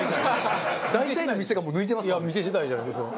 大体の店がもう抜いてますよ。